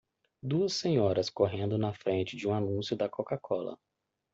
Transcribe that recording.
Duas senhoras correndo na frente de um anúncio da CocaCola.